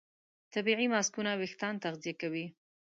طبیعي ماسکونه وېښتيان تغذیه کوي.